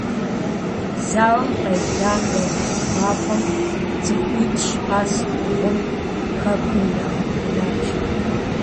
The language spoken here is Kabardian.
Зауэм къелам я нэхъыбапӀэм - цӀыхуипщӀ къэс бгъум - хэкур ирагъэбгынащ.